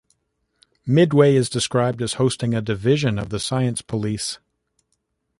Midway is described as hosting a "division" of the Science Police.